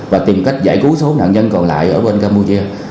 và tìm cách giải cứu số nạn nhân còn lại ở bên campuchia